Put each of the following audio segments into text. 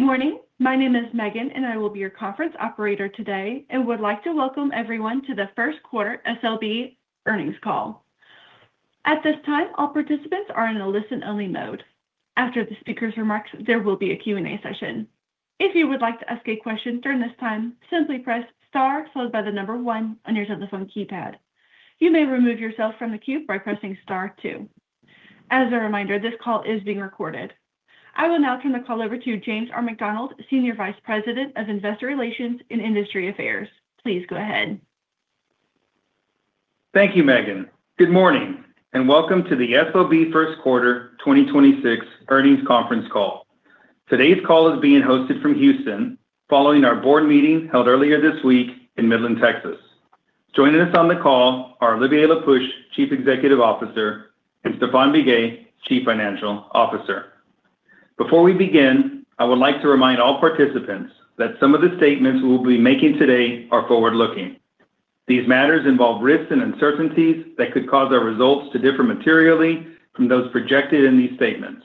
Good morning. My name is Megan, and I will be your conference operator today and would like to welcome everyone to the first quarter SLB earnings call. At this time, all participants are in a listen-only mode. After the speaker's remarks, there will be a Q&A session. If you would like to ask a question during this time, simply press star followed by the number one on your telephone keypad. You may remove yourself from the queue by pressing star two. As a reminder, this call is being recorded. I will now turn the call over to James R. McDonald, Senior Vice President of Investor Relations and Industry Affairs. Please go ahead. Thank you, Megan. Good morning and welcome to the SLB first quarter 2026 earnings conference call. Today's call is being hosted from Houston following our board meeting held earlier this week in Midland, Texas. Joining us on the call are Olivier Le Peuch, Chief Executive Officer, and Stephane Biguet, Chief Financial Officer. Before we begin, I would like to remind all participants that some of the statements we'll be making today are forward-looking. These matters involve risks and uncertainties that could cause our results to differ materially from those projected in these statements.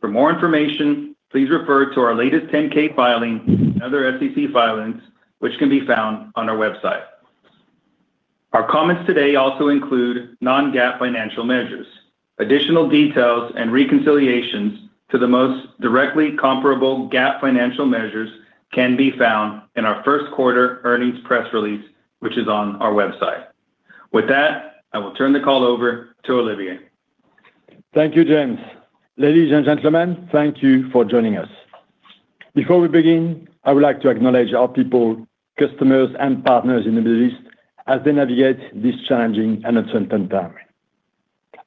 For more information, please refer to our latest 10-K filing and other SEC filings, which can be found on our website. Our comments today also include non-GAAP financial measures. Additional details and reconciliations to the most directly comparable GAAP financial measures can be found in our first quarter earnings press release, which is on our website. With that, I will turn the call over to Olivier. Thank you, James. Ladies and gentlemen, thank you for joining us. Before we begin, I would like to acknowledge our people, customers, and partners in the Middle East as they navigate this challenging and uncertain time.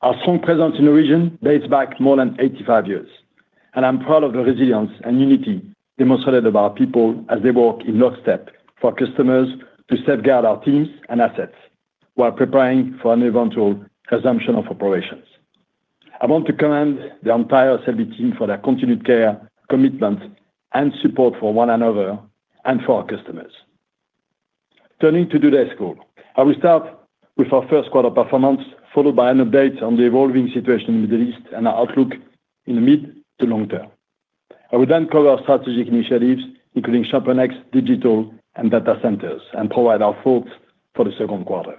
Our strong presence in the region dates back more than 85 years, and I'm proud of the resilience and unity demonstrated by our people as they work in lockstep for customers to safeguard our teams and assets while preparing for an eventual resumption of operations. I want to commend the entire SLB team for their continued care, commitment, and support for one another and for our customers. Turning to today's call, I will start with our first-quarter performance, followed by an update on the evolving situation in the Middle East and our outlook in the mid to long term. I will then cover our strategic initiatives, including SLB Digital and data centers, and provide our thoughts for the second quarter.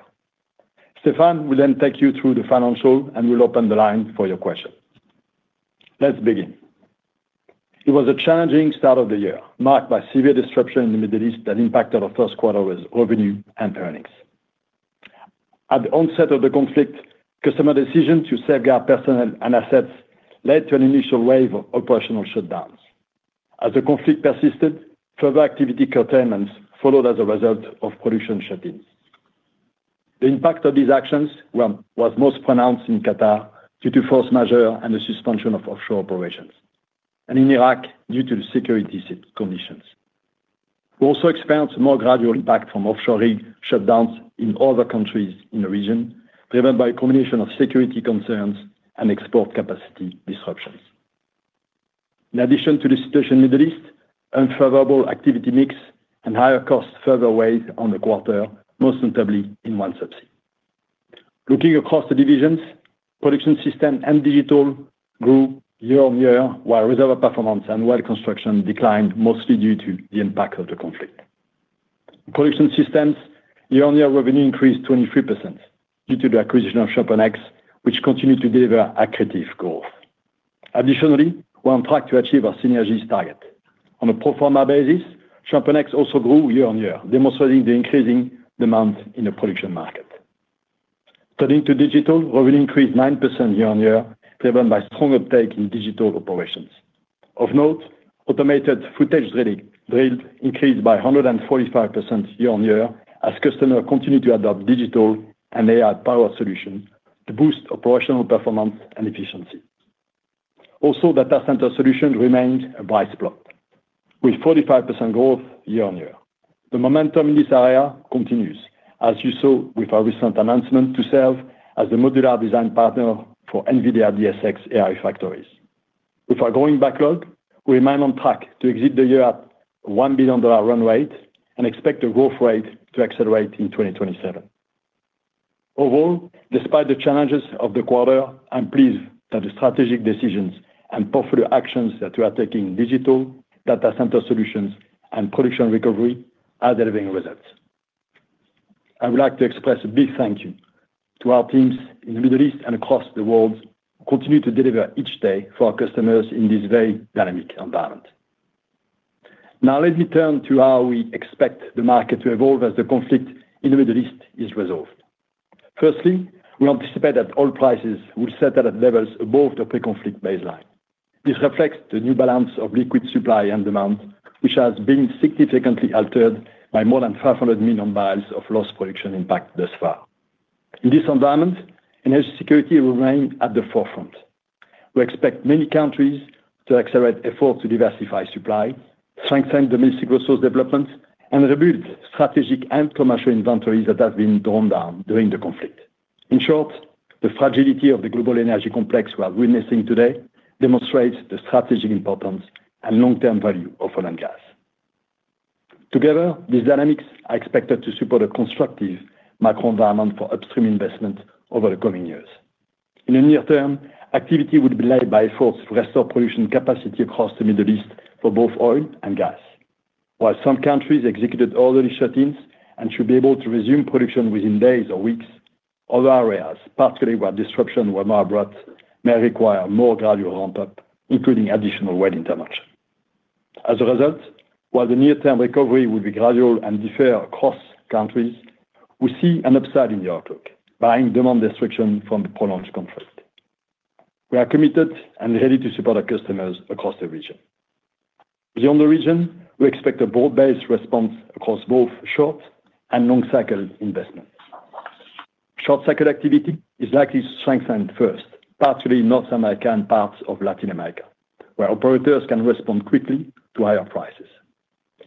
Stephane will then take you through the financial, and we'll open the line for your questions. Let's begin. It was a challenging start of the year, marked by severe disruption in the Middle East that impacted our first quarter with revenue and earnings. At the onset of the conflict, customer decisions to safeguard personnel and assets led to an initial wave of operational shutdowns. As the conflict persisted, further activity curtailments followed as a result of production shut-ins. The impact of these actions was most pronounced in Qatar due to force majeure and the suspension of offshore operations, and in Iraq due to security conditions. We also experienced a more gradual impact from offshore rig shutdowns in other countries in the region, driven by a combination of security concerns and export capacity disruptions. In addition to the situation in the Middle East, unfavorable activity mix and higher costs further weighed on the quarter, most notably in OneSubsea. Looking across the divisions, Production Systems and Digital grew year-on-year, while Reservoir Performance and Well Construction declined, mostly due to the impact of the conflict. Production Systems year-on-year revenue increased 23% due to the acquisition of ChampionX, which continued to deliver accretive growth. Additionally, we're on track to achieve our synergies target. On a pro forma basis, ChampionX also grew year-on-year, demonstrating the increasing demand in the production market. Turning to Digital, revenue increased 9% year-on-year, driven by strong uptake in Digital operations. Of note, automated footage drilled increased by 145% year-on-year as customers continue to adopt Digital and AI-powered solutions to boost operational performance and efficiency. Data center solutions remained a bright spot, with 45% growth year-on-year. The momentum in this area continues, as you saw with our recent announcement to serve as the modular design partner for NVIDIA DSX AI factories. With our growing backlog, we remain on track to exit the year at $1 billion run rate and expect the growth rate to accelerate in 2027. Overall, despite the challenges of the quarter, I'm pleased that the strategic decisions and portfolio actions that we are taking in Digital, data center solutions, and production recovery are delivering results. I would like to express a big thank you to our teams in the Middle East and across the world who continue to deliver each day for our customers in this very dynamic environment. Now let me turn to how we expect the market to evolve as the conflict in the Middle East is resolved. First, we anticipate that oil prices will settle at levels above the pre-conflict baseline. This reflects the new balance of liquid supply and demand, which has been significantly altered by more than 500 million barrels of lost production impact thus far. In this environment, energy security will remain at the forefront. We expect many countries to accelerate efforts to diversify supply, strengthen domestic resource development, and rebuild strategic and commercial inventories that have been drawn down during the conflict. In short, the fragility of the global energy complex we are witnessing today demonstrates the strategic importance and long-term value of oil and gas. Together, these dynamics are expected to support a constructive macro environment for upstream investment over the coming years. In the near term, activity will be led by efforts to restore production capacity across the Middle East for both oil and gas. While some countries executed orderly shut-ins and should be able to resume production within days or weeks, other areas, particularly where disruptions were more abrupt, may require a more gradual ramp-up, including additional well intervention. As a result, while the near-term recovery will be gradual and differ across countries, we see an upside in the outlook, barring demand destruction from a prolonged conflict. We are committed and ready to support our customers across the region. Beyond the region, we expect a broad-based response across both short- and long-cycle investments. Short-cycle activity is likely to strengthen first, particularly in North America and parts of Latin America, where operators can respond quickly to higher prices.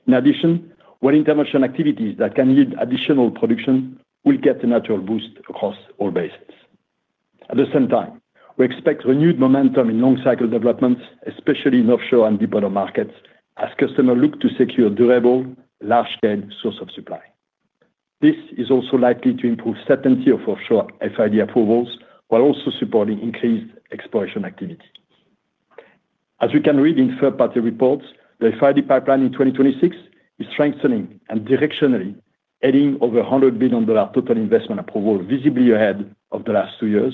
In addition, well intervention activities that can yield additional production will get a natural boost across oil basins. At the same time, we expect renewed momentum in long-cycle developments, especially in offshore and deepwater markets, as customers look to secure durable, large-scale sources of supply. This is also likely to improve certainty of offshore FID approvals while also supporting increased exploration activity. As we can read in third-party reports, the FID pipeline in 2026 is strengthening and directionally adding over $100 billion total investment approval visibly ahead of the last two years,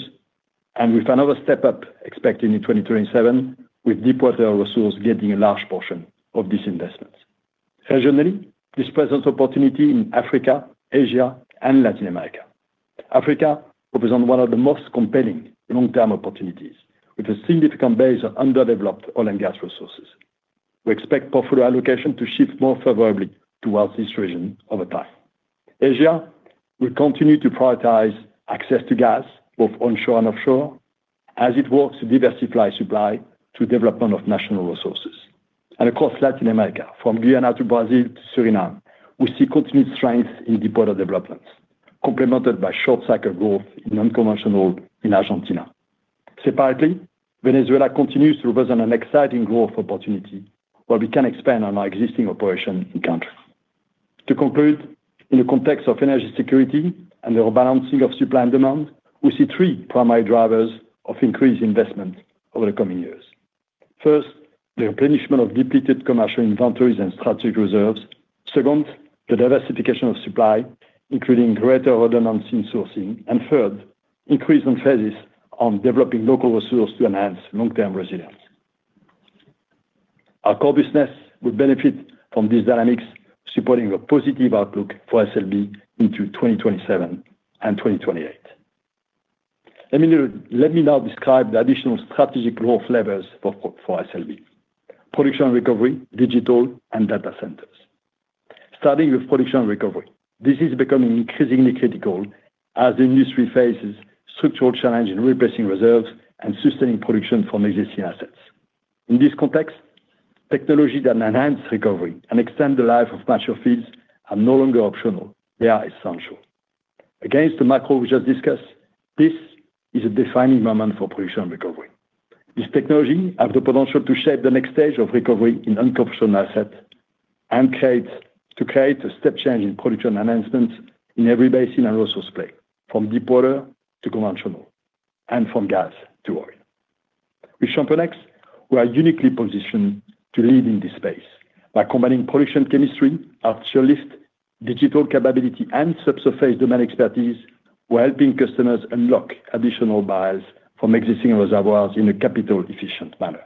and with another step up expected in 2027, with deepwater resources getting a large portion of these investments. Regionally, this presents opportunities in Africa, Asia, and Latin America. Africa represents one of the most compelling long-term opportunities, with a significant base of underdeveloped oil and gas resources. We expect portfolio allocation to shift more favorably towards this region over time. Asia will continue to prioritize access to gas, both onshore and offshore, as it works to diversify supply through development of national resources. Across Latin America, from Guyana to Brazil to Suriname, we see continued strength in deepwater developments, complemented by short-cycle growth in unconventional in Argentina. Separately, Venezuela continues to represent an exciting growth opportunity where we can expand on our existing operations in-country. To conclude, in the context of energy security and the rebalancing of supply and demand, we see three primary drivers of increased investment over the coming years. First, the replenishment of depleted commercial inventories and strategic reserves. Second, the diversification of supply, including greater redundancy in sourcing. Third, increased emphasis on developing local resources to enhance long-term resilience. Our core business will benefit from these dynamics, supporting a positive outlook for SLB into 2027 and 2028. Let me now describe the additional strategic growth levers for SLB. Production recovery, Digital, and data centers. Starting with production recovery. This is becoming increasingly critical as the industry faces structural challenges in replacing reserves and sustaining production from existing assets. In this context, technologies that enhance recovery and extend the life of mature fields are no longer optional. They are essential. Against the macro we just discussed, this is a defining moment for production recovery. These technologies have the potential to shape the next stage of recovery in unconventional assets and to create a step change in production enhancements in every basin and resource play, from deepwater to conventional and from gas to oil. With ChampionX, we are uniquely positioned to lead in this space by combining production chemistry, our strongest Digital capability, and subsurface domain expertise. We're helping customers unlock additional barrels from existing reservoirs in a capital-efficient manner.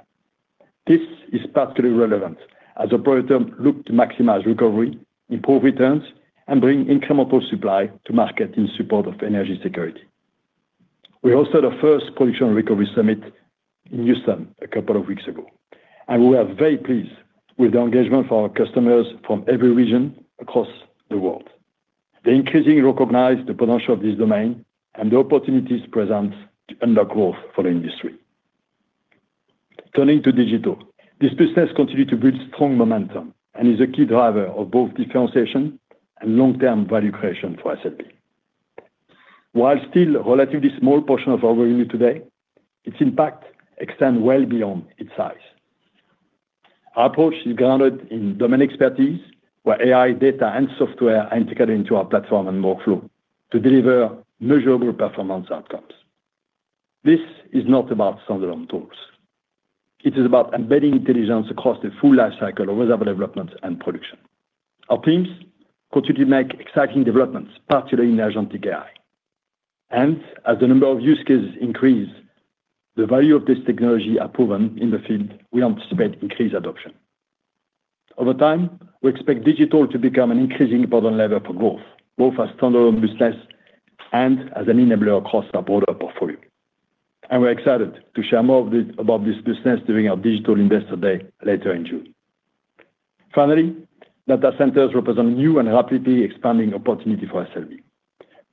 This is particularly relevant as operators look to maximize recovery, improve returns, and bring incremental supply to market in support of energy security. We hosted our first production recovery summit in Houston a couple of weeks ago, and we are very pleased with the engagement from our customers from every region across the world. They increasingly recognize the potential of this domain and the opportunities present to unlock growth for the industry. Turning to Digital. This business continues to build strong momentum and is a key driver of both differentiation and long-term value creation for SLB. While still a relatively small portion of our revenue today, its impact extends well beyond its size. Our approach is grounded in domain expertise, where AI, data, and software are integrated into our platform and workflow to deliver measurable performance outcomes. This is not about standalone tools. It is about embedding intelligence across the full lifecycle of reservoir development and production. Our teams continue to make exciting developments, particularly in agentic AI. As the number of use cases increase, the value of these technologies are proven in the field, we anticipate increased adoption. Over time, we expect Digital to become an increasingly important lever for growth, both as a standalone business and as an enabler across our broader portfolio. We're excited to share more about this business during our Digital Investor Day later in June. Finally, data centers represent a new and rapidly expanding opportunity for SLB.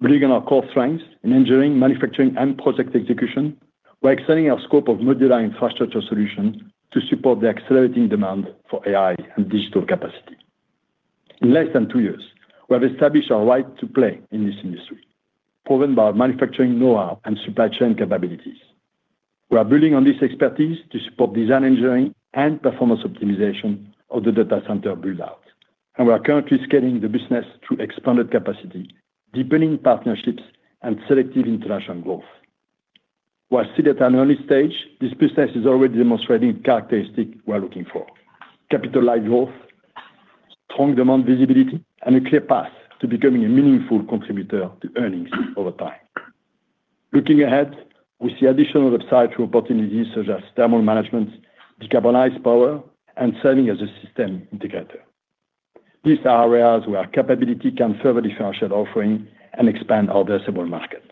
Building on our core strengths in engineering, manufacturing, and project execution, we're extending our scope of modular infrastructure solutions to support the accelerating demand for AI and Digital capacity. In less than two years, we have established our right to play in this industry, proven by our manufacturing know-how and supply chain capabilities. We are building on this expertise to support design engineering and performance optimization of the data center build-out, and we are currently scaling the business through expanded capacity, deepening partnerships, and selective international growth. While still at an early stage, this business is already demonstrating characteristics we're looking for. Capitalized growth, strong demand visibility, and a clear path to becoming a meaningful contributor to earnings over time. Looking ahead, we see additional upside through opportunities such as thermal management, decarbonized power, and serving as a system integrator. These are areas where our capability can further differentiate offering and expand our addressable market.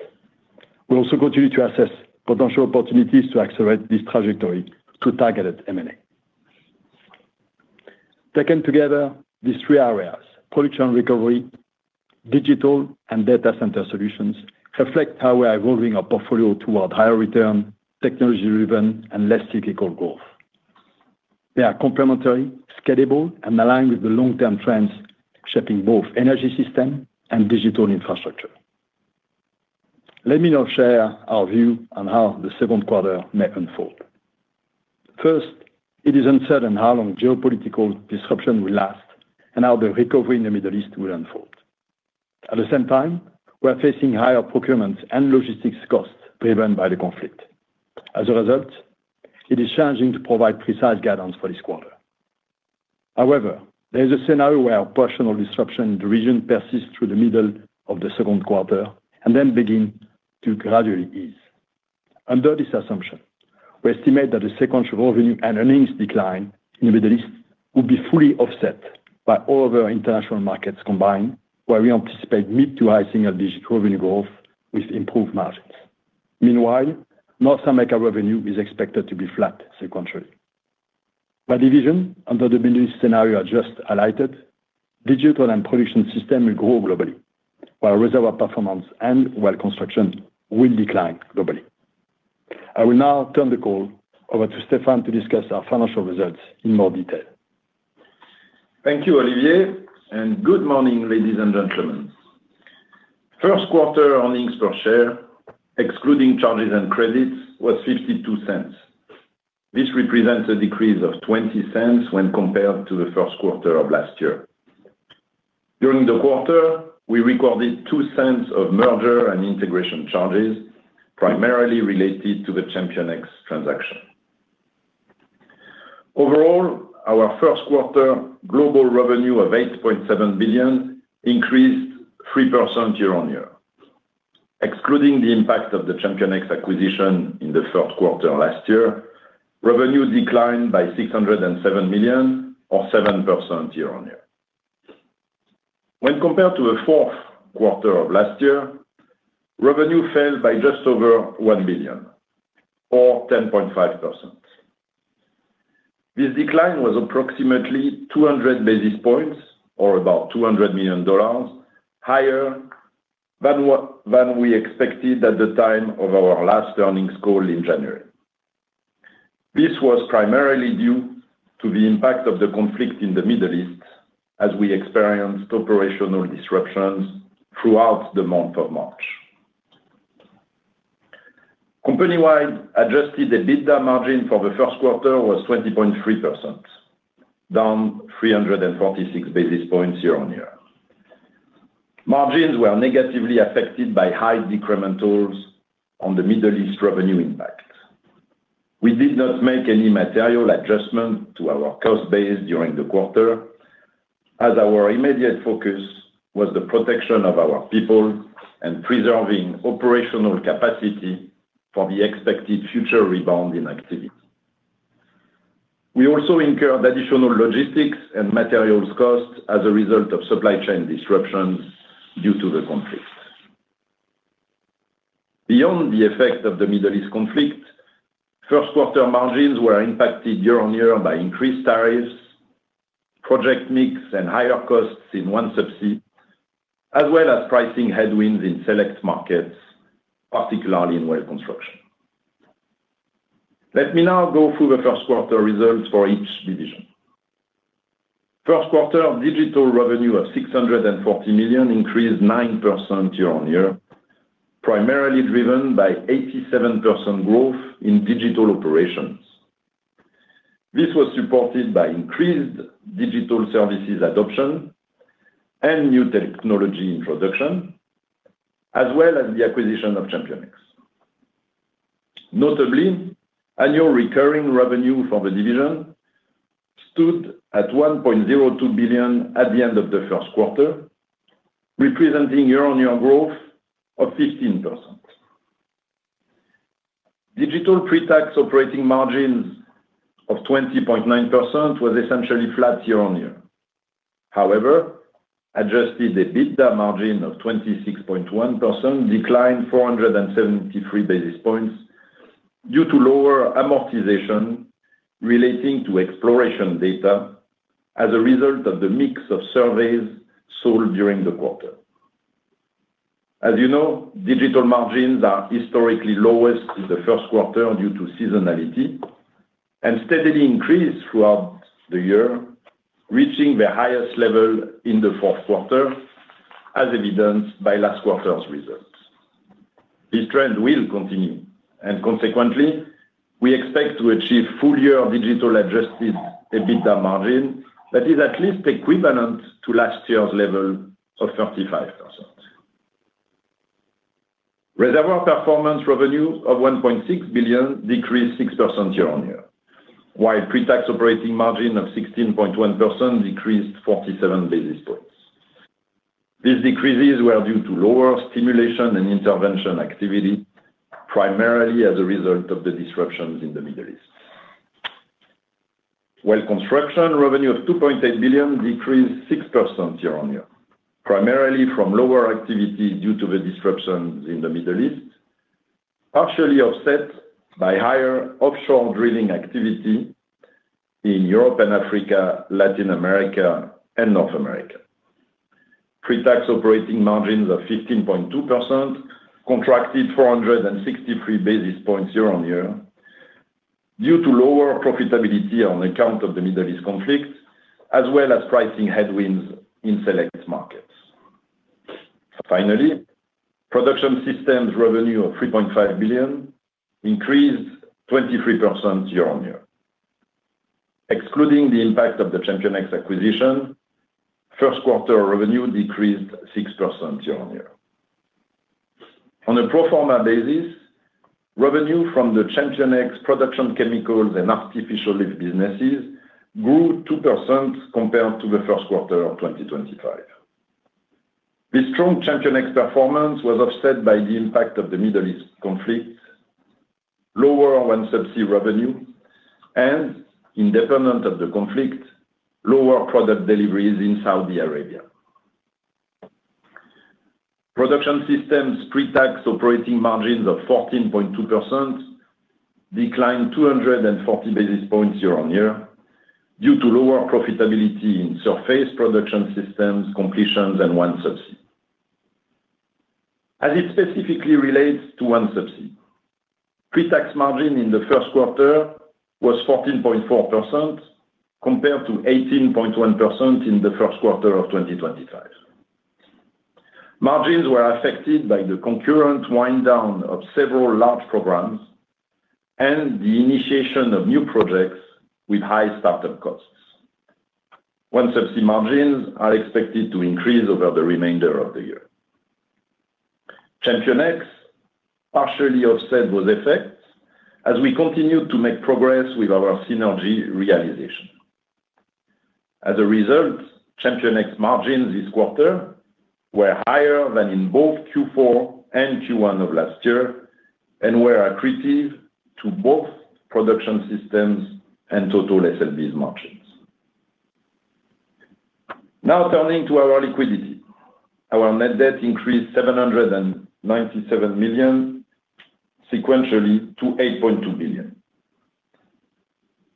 We'll also continue to assess potential opportunities to accelerate this trajectory through targeted M&A. Taken together, these three areas, production recovery, Digital, and data center solutions, reflect how we are evolving our portfolio toward higher return, technology-driven, and less cyclical growth. They are complementary, scalable, and aligned with the long-term trends shaping both energy system and Digital infrastructure. Let me now share our view on how the second quarter may unfold. First, it is uncertain how long geopolitical disruption will last and how the recovery in the Middle East will unfold. At the same time, we are facing higher procurement and logistics costs driven by the conflict. As a result, it is challenging to provide precise guidance for this quarter. However, there is a scenario where a portion of disruption in the region persists through the middle of the second quarter and then begin to gradually ease. Under this assumption, we estimate that the sequential revenue and earnings decline in the Middle East will be fully offset by all other international markets combined, where we anticipate mid to high single-digit revenue growth with improved margins. Meanwhile, North America revenue is expected to be flat sequentially. By division, under the business scenario just highlighted, Digital and Production Systems will grow globally. While Reservoir Performance and Well Construction will decline globally. I will now turn the call over to Stephane to discuss our financial results in more detail. Thank you, Olivier, and good morning, ladies and gentlemen. First quarter earnings per share, excluding charges and credits, was $0.52. This represents a decrease of $0.20 when compared to the first quarter of last year. During the quarter, we recorded $0.02 of merger and integration charges, primarily related to the ChampionX transaction. Overall, our first quarter global revenue of $8.7 billion increased 3% year-over-year. Excluding the impact of the ChampionX acquisition in the first quarter last year, revenue declined by $607 million or 7% year-over-year. When compared to the fourth quarter of last year, revenue fell by just over $1 billion or 10.5%. This decline was approximately 200 basis points, or about $200 million, higher than we expected at the time of our last earnings call in January. This was primarily due to the impact of the conflict in the Middle East as we experienced operational disruptions throughout the month of March. Company-wide adjusted EBITDA margin for the first quarter was 20.3%, down 346 basis points year-on-year. Margins were negatively affected by high decrementals on the Middle East revenue impact. We did not make any material adjustment to our cost base during the quarter, as our immediate focus was the protection of our people and preserving operational capacity for the expected future rebound in activity. We also incurred additional logistics and materials costs as a result of supply chain disruptions due to the conflict. Beyond the effect of the Middle East conflict, first-quarter margins were impacted year-on-year by increased tariffs, project mix, and higher costs in OneSubsea, as well as pricing headwinds in select markets, particularly in Well Construction. Let me now go through the first quarter results for each division. First-quarter Digital revenue of $640 million increased 9% year-on-year, primarily driven by 87% growth in Digital operations. This was supported by increased Digital services adoption and new technology introduction, as well as the acquisition of ChampionX. Notably, annual recurring revenue for the division stood at $1.02 billion at the end of the first quarter, representing year-on-year growth of 15%. Digital pre-tax operating margins of 20.9% was essentially flat year-on-year. However, adjusted EBITDA margin of 26.1% declined 473 basis points due to lower amortization relating to exploration data as a result of the mix of surveys sold during the quarter. As you know, Digital margins are historically lowest in the first quarter due to seasonality. Steadily increase throughout the year, reaching the highest level in the fourth quarter, as evidenced by last quarter's results. This trend will continue, and consequently, we expect to achieve full-year Digital adjusted EBITDA margin that is at least equivalent to last year's level of 35%. Reservoir performance revenue of $1.6 billion decreased 6% year-on-year, while pre-tax operating margin of 16.1% decreased 47 basis points. These decreases were due to lower stimulation and intervention activity, primarily as a result of the disruptions in the Middle East. While construction revenue of $2.8 billion decreased 6% year-on-year, primarily from lower activity due to the disruptions in the Middle East, partially offset by higher offshore drilling activity in Europe and Africa, Latin America, and North America. Pre-tax operating margins of 15.2% contracted 463 basis points year-on-year due to lower profitability on account of the Middle East conflict, as well as pricing headwinds in select markets. Production systems revenue of $3.5 billion increased 23% year-on-year. Excluding the impact of the ChampionX acquisition, first quarter revenue decreased 6% year-on-year. On a pro forma basis, revenue from the ChampionX production chemicals and artificial lift businesses grew 2% compared to the first quarter of 2025. This strong ChampionX performance was offset by the impact of the Middle East conflict, lower OneSubsea revenue, and independent of the conflict, lower product deliveries in Saudi Arabia. Production systems pre-tax operating margins of 14.2% declined 240 basis points year-on-year due to lower profitability in surface Production Systems, completions, and OneSubsea. As it specifically relates to OneSubsea, pre-tax margin in the first quarter was 14.4% compared to 18.1% in the first quarter of 2025. Margins were affected by the concurrent wind down of several large programs and the initiation of new projects with high start-up costs. OneSubsea margins are expected to increase over the remainder of the year. ChampionX partially offset those effects as we continue to make progress with our synergy realization. As a result, ChampionX margins this quarter were higher than in both Q4 and Q1 of last year, and were accretive to both Production Systems and total SLB's margins. Now turning to our liquidity. Our net debt increased $797 million sequentially to $8.2 billion.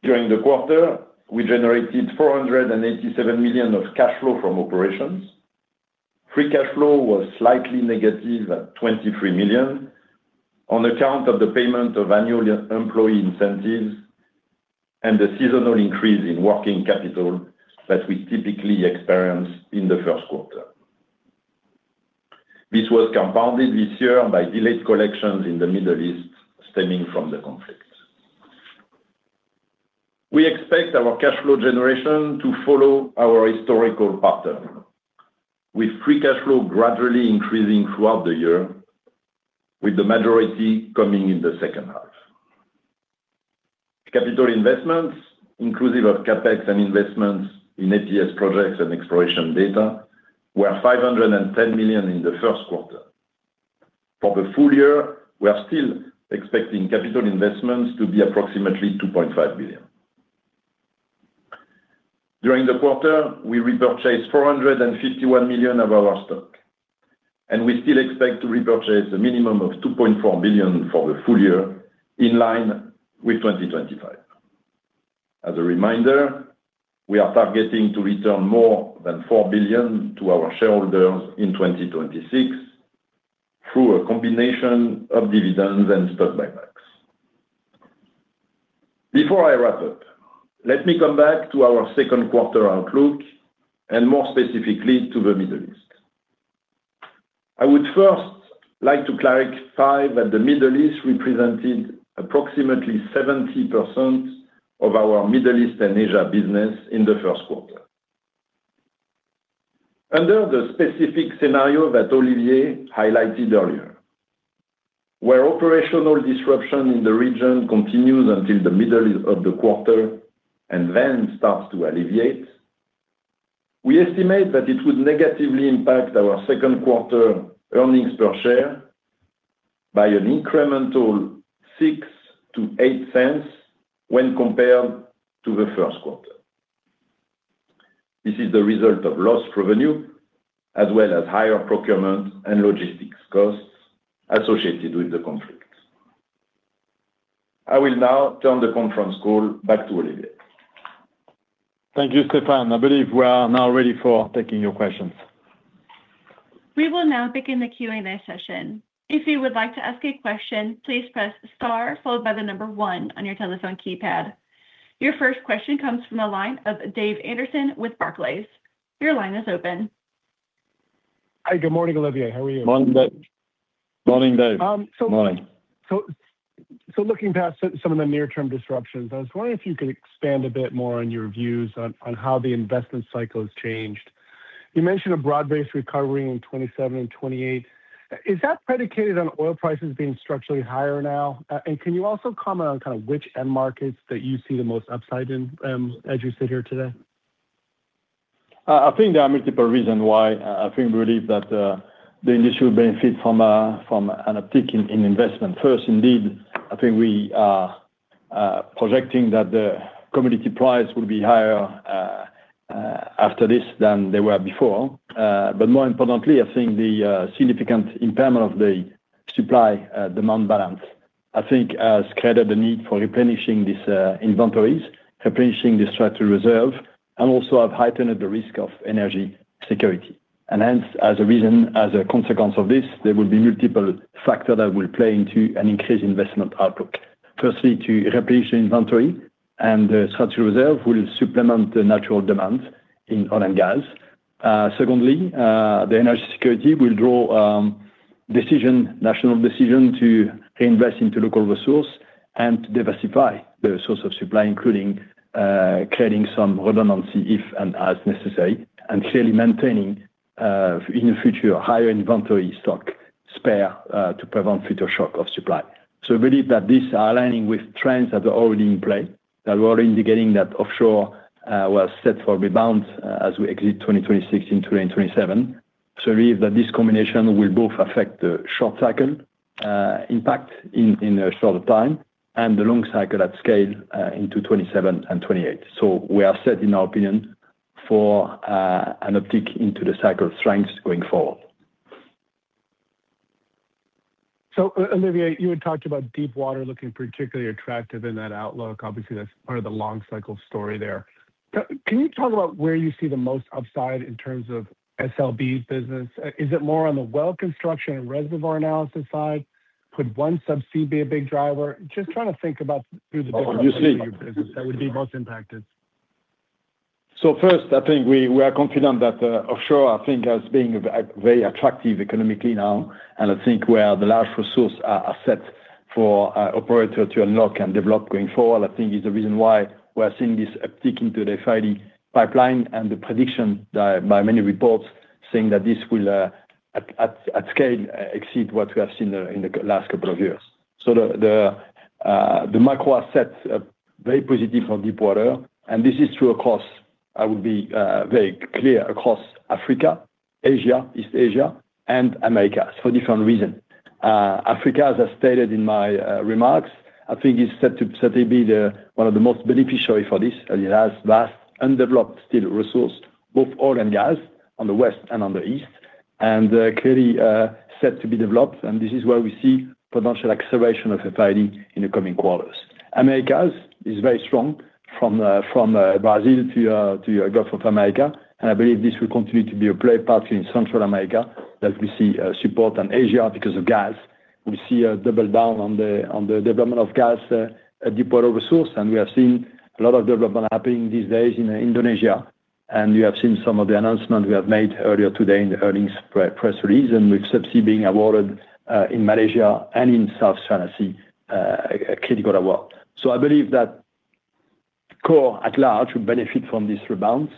During the quarter, we generated $487 million of cash flow from operations. Free cash flow was slightly negative at $23 million on account of the payment of annual employee incentives and the seasonal increase in working capital that we typically experience in the first quarter. This was compounded this year by delayed collections in the Middle East stemming from the conflict. We expect our cash flow generation to follow our historical pattern, with free cash flow gradually increasing throughout the year, with the majority coming in the second half. Capital investments, inclusive of CapEx and investments in ATS projects and exploration data, were $510 million in the first quarter. For the full year, we are still expecting capital investments to be approximately $2.5 billion. During the quarter, we repurchased $451 million of our stock. We still expect to repurchase a minimum of $2.4 billion for the full year, in line with 2025. As a reminder, we are targeting to return more than $4 billion to our shareholders in 2026 through a combination of dividends and stock buybacks. Before I wrap up, let me come back to our second quarter outlook, and more specifically to the Middle East. I would first like to clarify that the Middle East represented approximately 70% of our Middle East and Asia business in the first quarter. Under the specific scenario that Olivier highlighted earlier, where operational disruption in the region continues until the middle of the quarter and then starts to alleviate, we estimate that it would negatively impact our second quarter earnings per share by an incremental $0.06-$0.08 when compared to the first quarter. This is the result of lost revenue, as well as higher procurement and logistics costs associated with the conflict. I will now turn the conference call back to Olivier. Thank you, Stephane. I believe we are now ready for taking your questions. We will now begin the Q&A session. If you would like to ask a question, please press star followed by the number one on your telephone keypad. Your first question comes from the line of David Anderson with Barclays. Your line is open. Hi, good morning, Olivier. How are you? Morning, Dave. Morning. Looking past some of the near-term disruptions, I was wondering if you could expand a bit more on your views on how the investment cycle has changed. You mentioned a broad-based recovery in 2027 and 2028. Is that predicated on oil prices being structurally higher now? Can you also comment on kind of which end markets that you see the most upside in as you sit here today? I think there are multiple reasons why I think really that the industry will benefit from an uptick in investment. First, indeed, I think we are projecting that the commodity price will be higher after this than they were before. More importantly, I think the significant impairment of the supply-demand balance, I think, has created the need for replenishing these inventories, replenishing the structural reserve, and also have heightened the risk of energy security. Hence, as a reason, as a consequence of this, there will be multiple factors that will play into an increased investment outlook. Firstly, to replenish the inventory and structural reserve will supplement the natural demand in oil and gas. Secondly, the energy security will drive national decisions to invest in local resources and to diversify the sources of supply, including creating some redundancy if and as necessary, and clearly maintaining, in the future, a higher inventory stockpile to prevent future supply shocks. I believe that this aligns with trends that are already in play, that we're already indicating that offshore was set for rebound as we exit 2026 into 2027. I believe that this combination will both affect the short-cycle impact in a shorter time and the long cycle at scale into 2027 and 2028. We are set, in our opinion, for an uptick into the cycle of strengths going forward. Olivier, you had talked about deep water looking particularly attractive in that outlook. Obviously, that's part of the long-cycle story there. Can you talk about where you see the most upside in terms of SLB's business? Is it more on the Well Construction and reservoir analysis side? Could OneSubsea be a big driver? Just trying to think about who the different parts of your business that would be most impacted. First, I think we are confident that offshore, I think, as being very attractive economically now, and I think where the large resource are set for operator to unlock and develop going forward, I think is the reason why we're seeing this uptick into the FID pipeline and the prediction by many reports saying that this will, at scale, exceed what we have seen in the last couple of years. The macro setup is very positive for deepwater, and this is true, of course, I will be very clear, across Africa, Asia, East Asia, and Americas for different reasons. Africa, as I stated in my remarks, I think is set to certainly be one of the most beneficiaries for this. It has vast undeveloped, still resource, both oil and gas, on the west and on the east, and clearly set to be developed, and this is where we see potential acceleration of the FIDs in the coming quarters. The Americas is very strong from Brazil to Gulf of Mexico, and I believe this will continue to be a play area in Central America, and we see support in Asia because of gas. We see a double down on the development of gas, a deepwater resource, and we have seen a lot of development happening these days in Indonesia, and you have seen some of the announcements we have made earlier today in the earnings press release, and with Subsea being awarded in Malaysia and in South China Sea, a critical award. I believe that offshore at large will benefit from this rebound.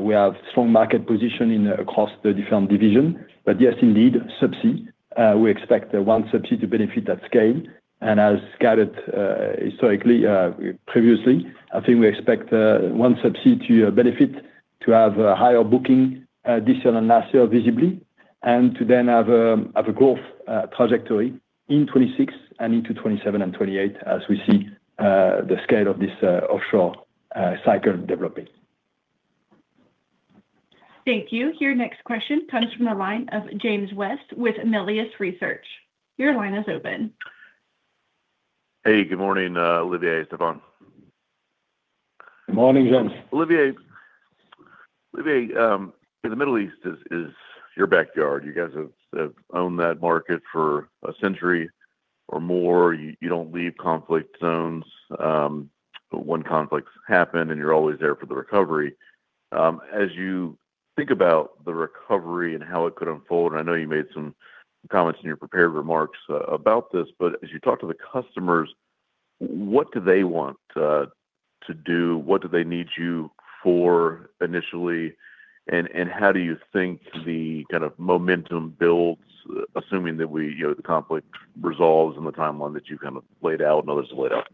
We have strong market position across the different division. Yes, indeed, subsea, we expect the OneSubsea to benefit at scale. As guided historically, previously, I think we expect OneSubsea to benefit to have a higher booking this year and last year visibly, and to then have a growth trajectory in 2026 and into 2027 and 2028 as we see the scale of this offshore cycle developing. Thank you. Your next question comes from the line of James West with Melius Research. Your line is open. Hey, good morning, Olivier, Stephane. Morning, James. Olivier, the Middle East is your backyard. You guys have owned that market for a century or more. You don't leave conflict zones, but when conflicts happen and you're always there for the recovery. As you think about the recovery and how it could unfold, I know you made some comments in your prepared remarks about this, but as you talk to the customers, what do they want to do? What do they need you for initially, and how do you think the kind of momentum builds, assuming that the conflict resolves in the timeline that you've kind of laid out and others have laid out?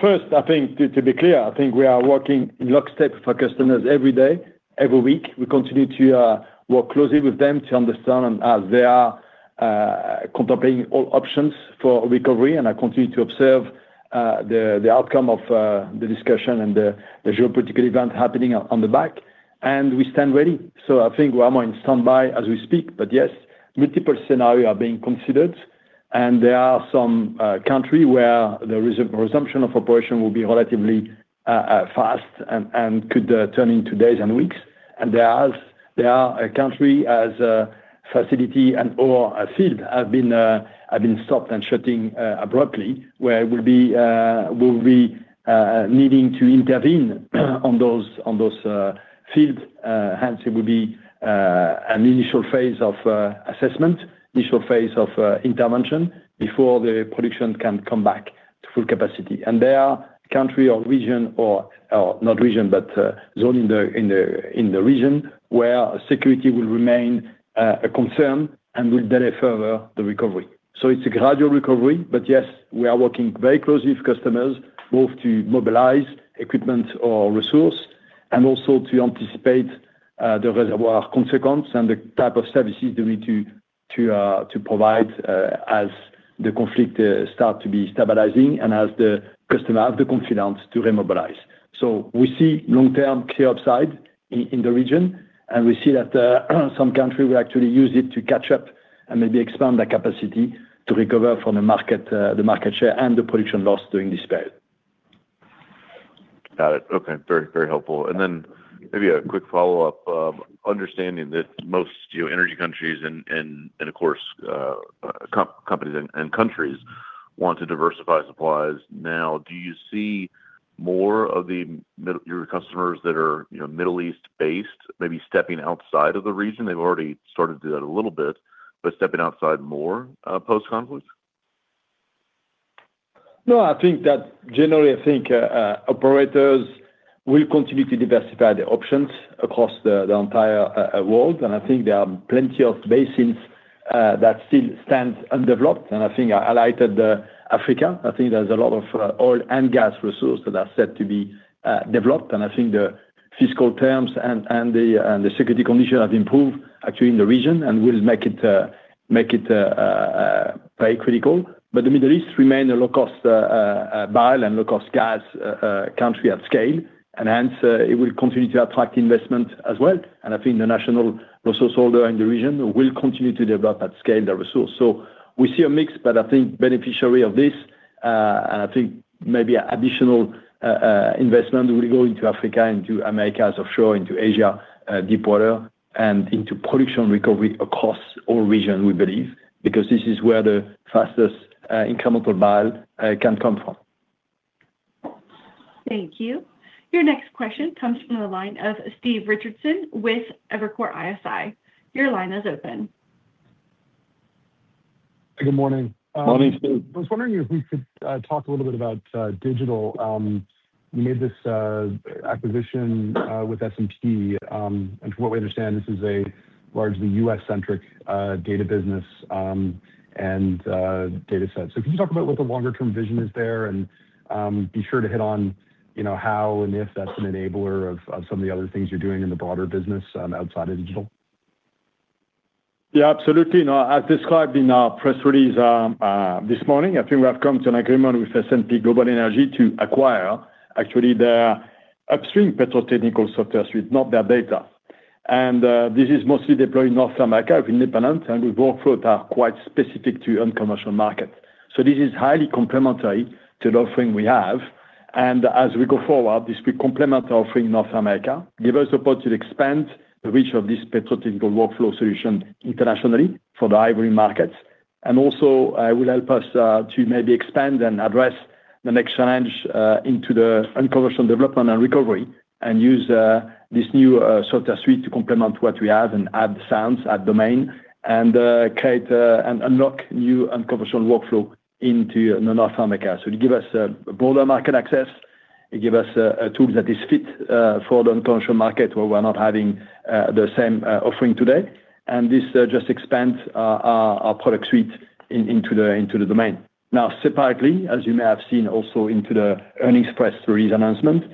First, I think to be clear, I think we are working in lockstep for customers every day, every week. We continue to work closely with them to understand as they are contemplating all options for recovery, and I continue to observe the outcome of the discussion and the geopolitical event happening in the background, and we stand ready. I think we are more in standby as we speak. Yes, multiple scenarios are being considered. There are some countries where the resumption of operations will be relatively fast and could be days and weeks. There are countries where a facility and/or a field have been stopped and shut abruptly, where we'll be needing to intervene on those fields. Hence, it will be an initial phase of assessment, initial phase of intervention, before the production can come back to full capacity. There are countries or regions, or not regions, but zones in the region where security will remain a concern and will delay further the recovery. It's a gradual recovery. Yes, we are working very closely with customers, both to mobilize equipment or resources, and also to anticipate the reservoir consequences and the type of services that we need to provide as the conflict starts to be stabilizing and as the customers have the confidence to remobilize. We see long-term clear upside in the region, and we see that some countries will actually use it to catch up and maybe expand their capacity to recover from the market share and the production loss during this period. Got it. Okay. Very helpful. Maybe a quick follow-up. Understanding that most energy countries and of course, companies and countries want to diversify supplies now, do you see more of your customers that are Middle East-based, maybe stepping outside of the region? They've already started to do that a little bit, but stepping outside more post-conflict? No, generally, I think operators will continue to diversify their options across the entire world. I think there are plenty of basins that still stand undeveloped. I think I highlighted Africa. I think there's a lot of oil and gas resources that are set to be developed. I think the fiscal terms and the security condition has improved, actually, in the region, and will make it very critical. The Middle East remain a low-cost barrel and low-cost gas country at scale, and hence, it will continue to attract investment as well. I think the national resource holder in the region will continue to develop at scale the resource. We see a mix, but I think the beneficiary of this, and I think maybe additional investment will go into Africa, into the Americas offshore, into Asia deepwater, and into production recovery across all regions, we believe, because this is where the fastest incremental barrel can come from. Thank you. Your next question comes from the line of Stephen Richardson with Evercore ISI. Your line is open. Good morning. Morning, Steve. I was wondering if we could talk a little bit about Digital. You made this acquisition with S&P. From what we understand, this is a largely U.S.-centric data business and data set. Can you talk about what the longer-term vision is there, and be sure to hit on how and if that's an enabler of some of the other things you're doing in the broader business outside of Digital? Yeah, absolutely. As described in our press release this morning, I think we have come to an agreement with S&P Global Energy to acquire actually their upstream petrotechnical software suite, not their data. This is mostly deployed in North America with independents, and with workflows that are quite specific to the unconventional market. This is highly complementary to the offering we have. As we go forward, this will complement our offering in North America, give us support to expand the reach of this petrotechnical workflow solution internationally for the key markets. It will help us to maybe expand and address the next challenge into the unconventional development and recovery and use this new software suite to complement what we have and add science, add domain, and create and unlock new unconventional workflow into North America. It'll give us broader market access. It gives us a tool that is fit for the unconventional market where we're not having the same offering today. This just expands our product suite into the domain. Now, separately, as you may have seen also into the earnings press release announcement,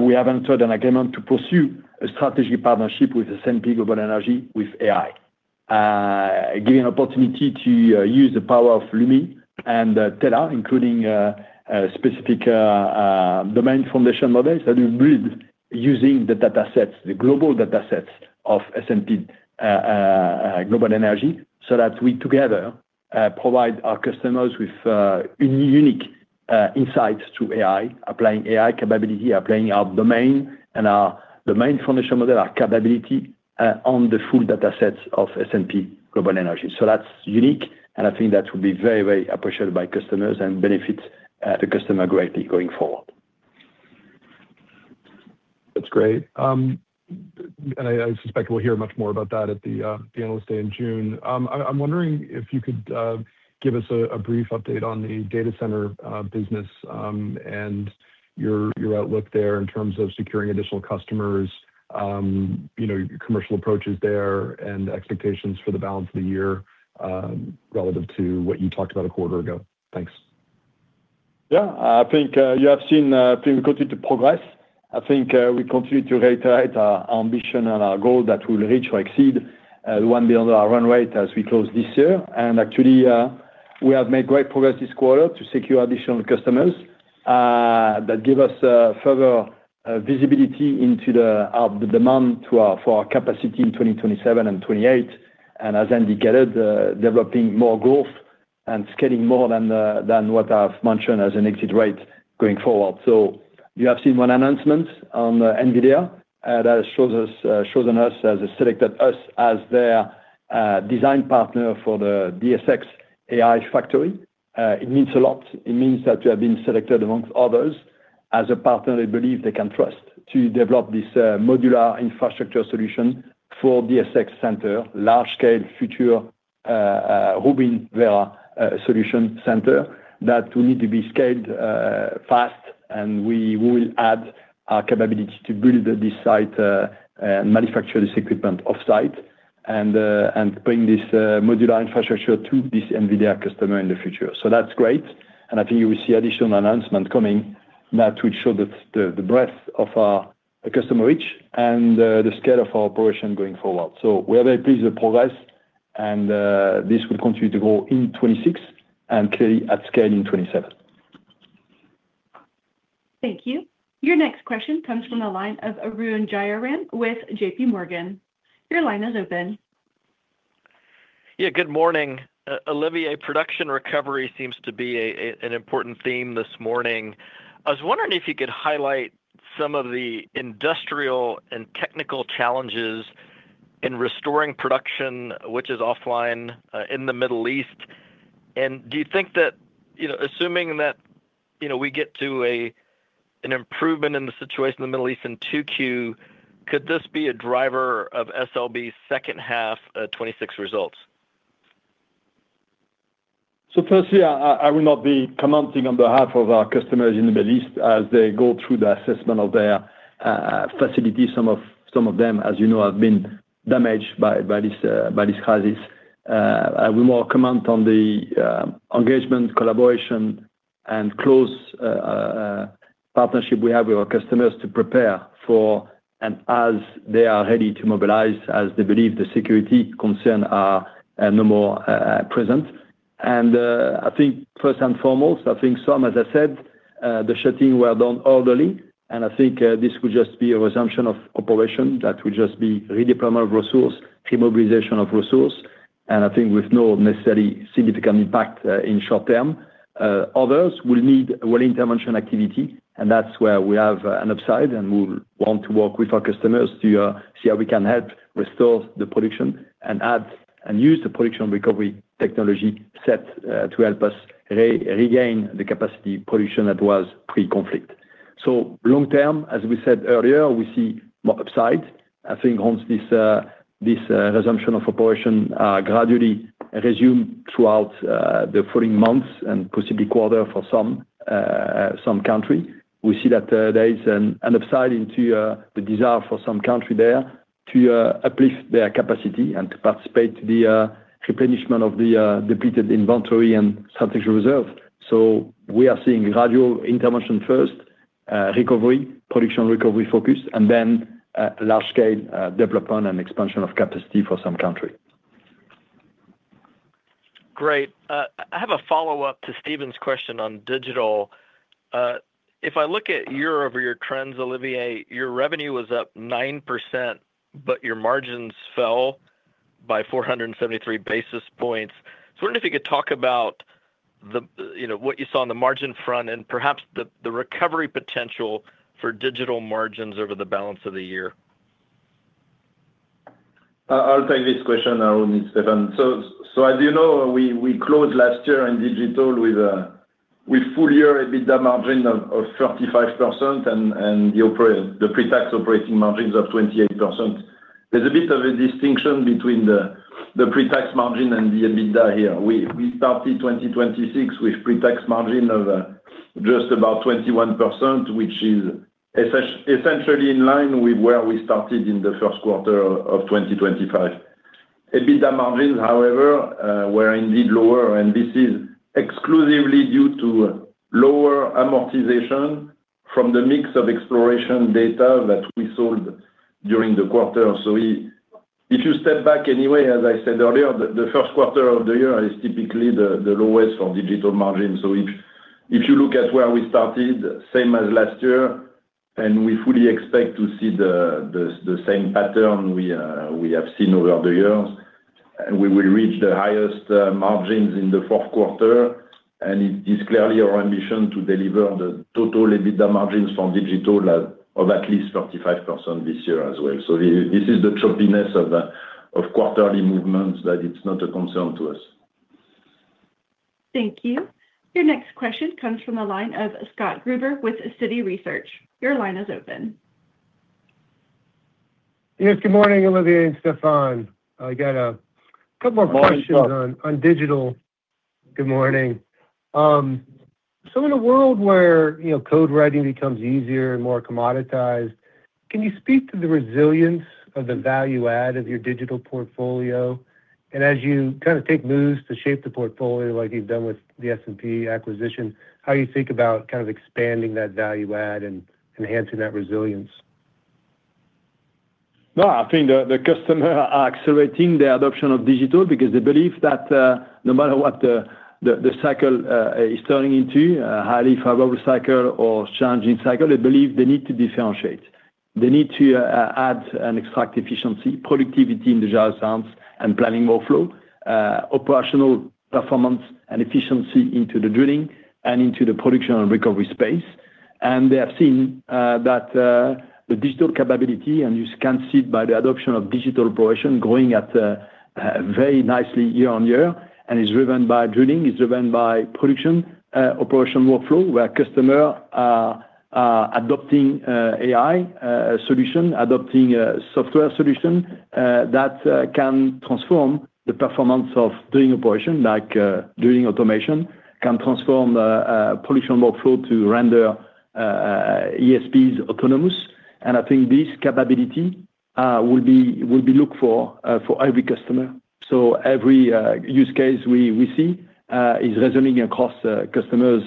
we have entered an agreement to pursue a strategic partnership with S&P Global Commodity Insights with AI, giving an opportunity to use the power of Lumi and Tela, including specific domain foundation models that we build using the datasets, the global datasets of S&P Global Commodity Insights, so that we together provide our customers with unique insights through AI, applying AI capability, applying our domain and our domain foundation model, our capability on the full datasets of S&P Global Commodity Insights. That's unique, and I think that will be very appreciated by customers and benefit the customer greatly going forward. That's great. I suspect we'll hear much more about that at the Analyst Day in June. I'm wondering if you could give us a brief update on the data center business, and your outlook there in terms of securing additional customers, your commercial approaches there, and expectations for the balance of the year relative to what you talked about a quarter ago. Thanks. Yeah. I think you have seen we continue to progress. I think we continue to reiterate our ambition and our goal that we'll reach or exceed $1 billion run rate as we close this year. Actually, we have made great progress this quarter to secure additional customers that give us further visibility into the demand for our capacity in 2027 and 2028, and as indicated, developing more growth and scaling more than what I've mentioned as an exit rate going forward. You have seen one announcement on NVIDIA that has selected us as their design partner for the DSX AI factory. It means a lot. It means that we have been selected among others as a partner they believe they can trust to develop this modular infrastructure solution for DSX center, large scale future, open solution center that will need to be scaled fast, and we will add a capability to build this site, and manufacture this equipment offsite. Bring this modular infrastructure to this NVIDIA customer in the future. That's great, and I think you will see additional announcement coming that will show the breadth of our customer reach and the scale of our operation going forward. We are very pleased with progress, and this will continue to grow in 2026 and clearly at scale in 2027. Thank you. Your next question comes from the line of Arun Jayaram with JPMorgan. Your line is open. Yeah. Good morning. Olivier, production recovery seems to be an important theme this morning. I was wondering if you could highlight some of the industrial and technical challenges in restoring production, which is offline in the Middle East. Do you think that, assuming that we get to an improvement in the situation in the Middle East in 2Q, could this be a driver of SLB's second half of 2026 results? Firstly, I will not be commenting on behalf of our customers in the Middle East as they go through the assessment of their facilities. Some of them, as you know, have been damaged by this crisis. I will comment more on the engagement, collaboration and close partnership we have with our customers to prepare for and as they are ready to mobilize, as they believe the security concerns are no more present. I think first and foremost, I think some, as I said, the shut-ins were done orderly. I think this could just be a resumption of operations that will just be redeployment of resources, remobilization of resources, and I think with no necessarily significant impact in short term. Others will need intervention activity, and that's where we have an upside and we'll want to work with our customers to see how we can help restore the production and add and use the production recovery technology set to help us regain the capacity production that was pre-conflict. Long term, as we said earlier, we see more upside. I think once this resumption of operation gradually resume throughout the following months and possibly quarter for some country. We see that there is an upside into the desire for some country there to uplift their capacity and to participate the replenishment of the depleted inventory and strategic reserve. We are seeing gradual intervention first, recovery, production recovery focus, and then large scale development and expansion of capacity for some country. Great. I have a follow-up to Stephen's question on Digital. If I look at year-over-year trends, Olivier, your revenue was up 9%, but your margins fell by 473 basis points. I wonder if you could talk about what you saw on the margin front and perhaps the recovery potential for Digital margins over the balance of the year. I'll take this question, Arun. It's Stephane. As you know, we closed last year in Digital with full-year EBITDA margin of 35% and the pre-tax operating margins of 28%. There's a bit of a distinction between the pre-tax margin and the EBITDA here. We started 2025 with pre-tax margin of just about 21%, which is essentially in line with where we started in the first quarter of 2024. EBITDA margins, however, were indeed lower, and this is exclusively due to lower amortization from the mix of exploration data that we sold during the quarter. If you step back anyway, as I said earlier, the first quarter of the year is typically the lowest for Digital margin. If you look at where we started, same as last year, and we fully expect to see the same pattern we have seen over the years. We will reach the highest margins in the fourth quarter, and it is clearly our ambition to deliver the total EBITDA margins from Digital of at least 35% this year as well. This is the choppiness of quarterly movements that it's not a concern to us. Thank you. Your next question comes from the line of Scott Gruber with Citi Research. Your line is open. Yes, good morning, Olivier and Stephane. I got a couple more questions. Good morning, Scott. on Digital. Good morning. In a world where code writing becomes easier and more commoditized, can you speak to the resilience of the value add of your Digital portfolio? As you take moves to shape the portfolio like you've done with the S&P acquisition, how you think about expanding that value add and enhancing that resilience? No, I think the customer are accelerating the adoption of Digital because they believe that no matter what the cycle is turning into, highly favorable cycle or challenging cycle, they believe they need to differentiate. They need to add and extract efficiency, productivity in the geoscience and planning workflow, operational performance and efficiency into the drilling and into the production and recovery space. They have seen that the Digital capability, and you can see it by the adoption of Digital operation growing at very nicely year on year and is driven by drilling, is driven by production, operation workflow, where customer are adopting AI solution, adopting software solution that can transform the performance of doing operation like drilling automation can transform the production workflow to render ESPs autonomous. I think this capability will be looked for every customer. Every use case we see is resonating across customers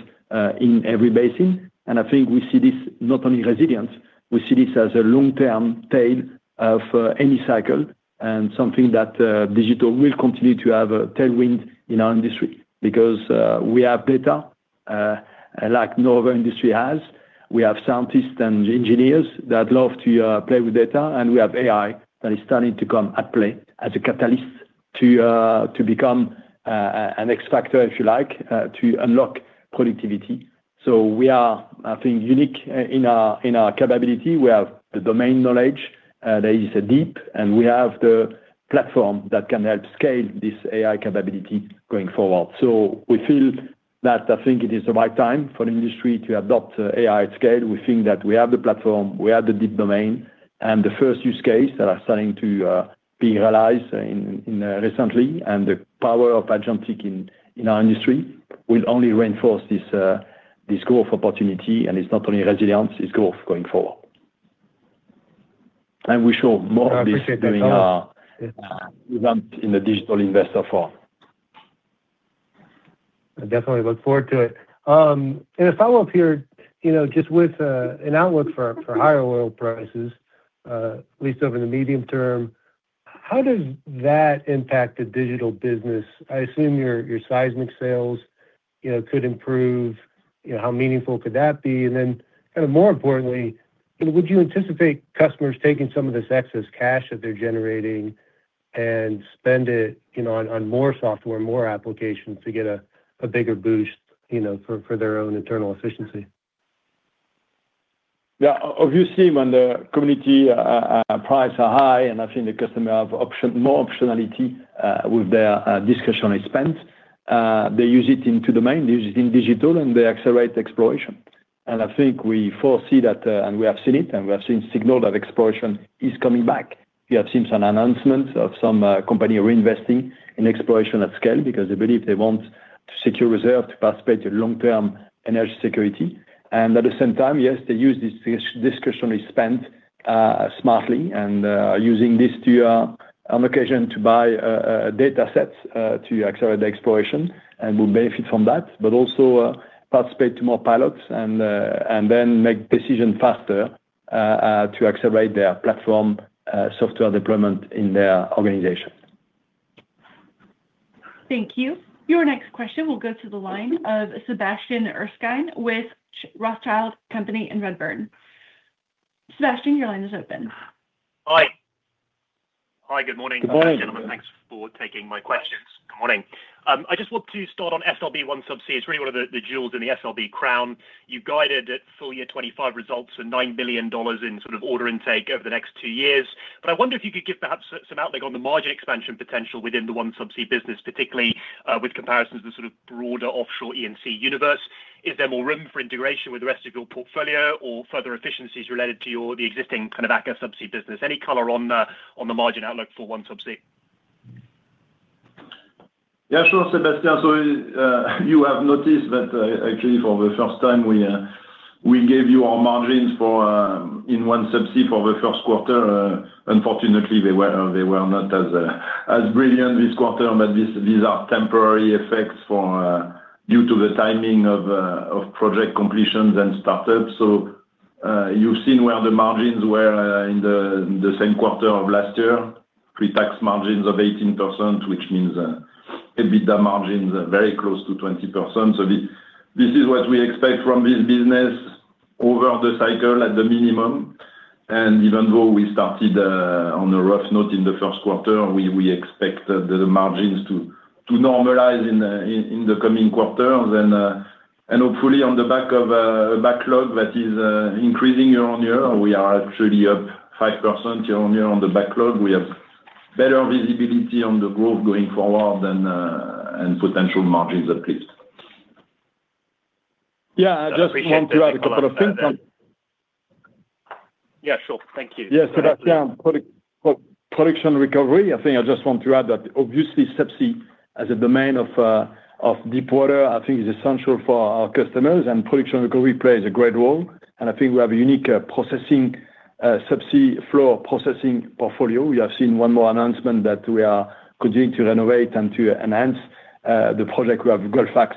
in every basin. I think we see this not only resilience, we see this as a long-term tail of any cycle and something that Digital will continue to have a tailwind in our industry because we have data like no other industry has. We have scientists and engineers that love to play with data, and we have AI that is starting to come into play as a catalyst to become an X factor, if you like, to unlock productivity. We are, I think, unique in our capability. We have the domain knowledge that is deep, and we have the platform that can help scale this AI capability going forward. We feel that I think it is the right time for the industry to adopt AI at scale. We think that we have the platform, we have the deep domain, and the first use case that are starting to be realized recently, and the power of agentic in our industry will only reinforce this growth opportunity, and it's not only resilience, it's growth going forward. We show more of this during our event in the Digital investor forum. I definitely look forward to it. In a follow-up here, just with an outlook for higher oil prices, at least over the medium term, how does that impact the Digital business? I assume your seismic sales could improve. How meaningful could that be? More importantly, would you anticipate customers taking some of this excess cash that they're generating and spend it on more software, more applications to get a bigger boost for their own internal efficiency? Yeah. Obviously, when the commodity prices are high, and I think the customers have more optionality with their discretionary spend. They use it in two domains, they use it in Digital, and they accelerate exploration. I think we foresee that, and we have seen it, and we have seen signals that exploration is coming back. We have seen some announcements of some companies reinvesting in exploration at scale because they believe they want to secure reserves to participate in long-term energy security. At the same time, yes, they use this discretionary spend smartly and using this to their allocation to buy data sets to accelerate the exploration and we will benefit from that, but also participate in more pilots and then make decisions faster to accelerate their platform software deployment in their organization. Thank you. Your next question will go to the line of Sebastian Erskine with Rothschild & Co Redburn. Sebastian, your line is open. Hi. Hi, good morning, gentlemen. Good morning. Thanks for taking my questions. Good morning. I just want to start on SLB OneSubsea. It's really one of the jewels in the SLB crown. You've guided at FY 2025 results and $9 billion in sort of order intake over the next two years. I wonder if you could give perhaps some outlook on the margin expansion potential within the OneSubsea business, particularly with comparisons to sort of broader offshore E&C universe. Is there more room for integration with the rest of your portfolio or further efficiencies related to your, the existing kind of Aker Subsea business? Any color on the margin outlook for OneSubsea? Yeah, sure, Sebastian. You have noticed that actually for the first time, we gave you our margins in OneSubsea for the first quarter. Unfortunately, they were not as brilliant this quarter, but these are temporary effects due to the timing of project completions and startups. You've seen where the margins were in the same quarter of last year, pre-tax margins of 18%, which means EBITDA margins are very close to 20%. This is what we expect from this business over the cycle at the minimum. Even though we started on a rough note in the first quarter, we expect the margins to normalize in the coming quarters. Hopefully on the back of a backlog that is increasing year-on-year, we are actually up 5% year-on-year on the backlog. We have better visibility on the growth going forward and potential margins at least. I appreciate that color. Yeah, I just want to add a couple of things on. Yeah, sure. Thank you. Yeah, Sebastian, production recovery, I think I just want to add that obviously subsea as a domain of deep water, I think is essential for our customers and production recovery plays a great role. I think we have a unique subsea floor processing portfolio. We have seen one more announcement that we are continuing to renovate and to enhance the project. We have Gullfaks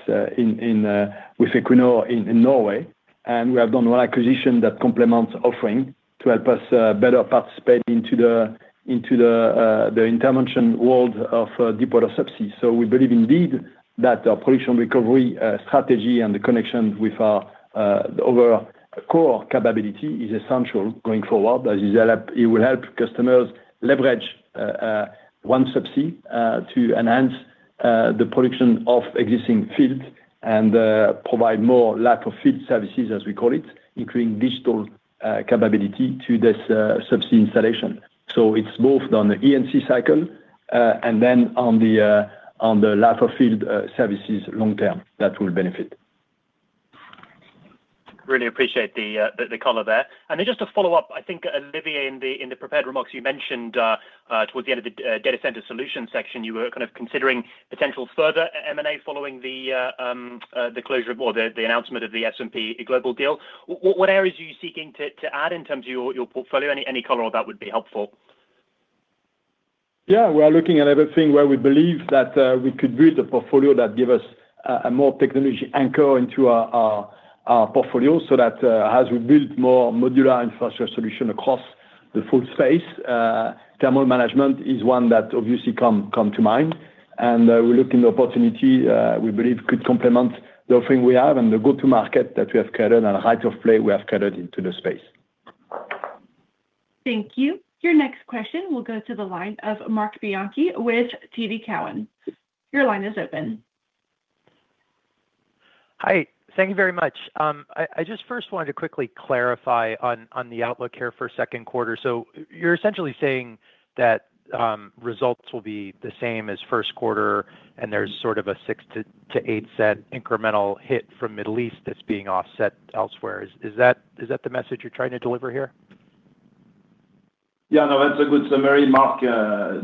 with Equinor in Norway. We have done one acquisition that complements offering to help us better participate into the intervention world of deepwater subsea. We believe indeed that our production recovery strategy and the connection with our overall core capability is essential going forward. As we develop, it will help customers leverage OneSubsea to enhance the production of existing fields and provide more life-of-field services, as we call it, including Digital capability to this subsea installation. It's both on the E&C cycle and then on the life-of-field services long term that will benefit. Really appreciate the color there. Just to follow up, I think Olivier, in the prepared remarks you mentioned towards the end of the data center solution section, you were kind of considering potential further M&A following the announcement of the S&P Global deal. What areas are you seeking to add in terms of your portfolio? Any color on that would be helpful. Yeah. We are looking at everything where we believe that we could build a portfolio that give us a more technology anchor into our portfolio, so that as we build more modular infrastructure solution across the full space, thermal management is one that obviously come to mind. We're looking at the opportunity we believe could complement the offering we have and the go-to-market that we have created and headway we have created into the space. Thank you. Your next question will go to the line of Marc Bianchi with TD Cowen. Your line is open. Hi. Thank you very much. I just first wanted to quickly clarify on the outlook here for second quarter. You're essentially saying that results will be the same as first quarter, and there's sort of a $0.06-$0.08 incremental hit from Middle East that's being offset elsewhere. Is that the message you're trying to deliver here? Yeah, no, that's a good summary, Marc.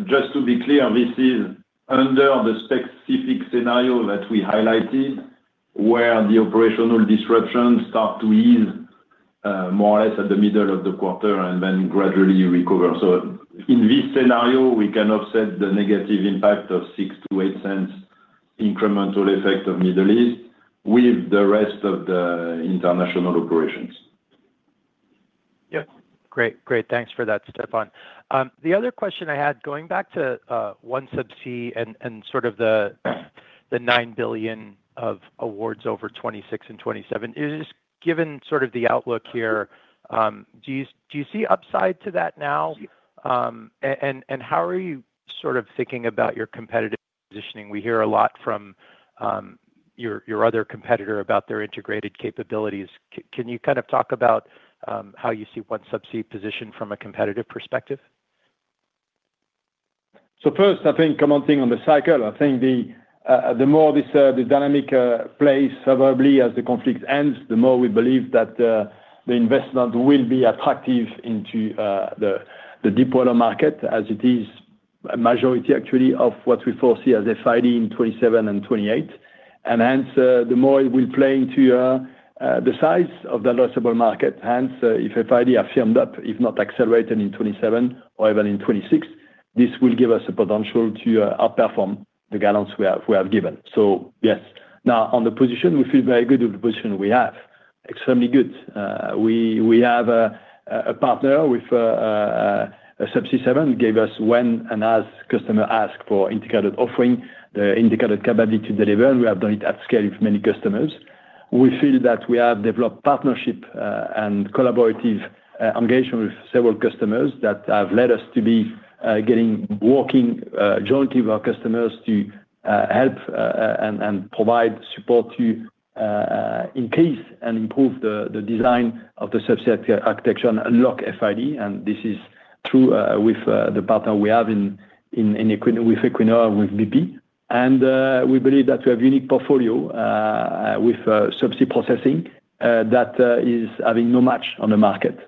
Just to be clear, this is under the specific scenario that we highlighted where the operational disruptions start to ease more or less at the middle of the quarter and then gradually recover. In this scenario, we can offset the negative impact of $0.06-$0.08 incremental effect of Middle East with the rest of the international operations. Yeah. Great. Thanks for that, Stephane. The other question I had, going back to OneSubsea and sort of the $9 billion of awards over 2026 and 2027, is given sort of the outlook here, do you see upside to that now? How are you sort of thinking about your competitive positioning? We hear a lot from your other competitor about their integrated capabilities. Can you kind of talk about how you see OneSubsea positioned from a competitive perspective? First, I think commenting on the cycle, I think the more this dynamic plays favorably as the conflict ends, the more we believe that the investment will be attractive into the deepwater market as it is a majority actually of what we foresee as FID in 2027 and 2028. Hence, the more it will play into the size of the addressable market. Hence, if FID are firmed up, if not accelerated in 2027 or even in 2026, this will give us a potential to outperform the guidance we have given. Yes. Now on the position, we feel very good with the position we have. Extremely good. We have a partner with Subsea7, who gave us when and as customers ask for integrated offering, the integrated capability to deliver, and we have done it at scale for many customers. We feel that we have developed partnership and collaborative engagement with several customers that have led us to be getting working jointly with our customers to help and provide support to increase and improve the design of the subsea architecture and unlock FID. This is true with the partner we have in Equinor with BP. We believe that we have unique portfolio with subsea processing that is having no match on the market.